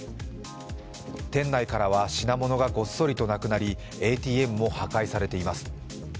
店内からは品物がごっそりとなくなりＡＴＭも破壊されています。